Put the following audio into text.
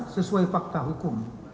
sesuai fakta hukum